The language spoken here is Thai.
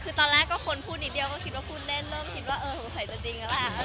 คือตอนแรกก็คนพูดนิดเดียวก็คิดว่าพูดเล่นเริ่มคิดว่าเออสงสัยจะจริงแล้วแหละ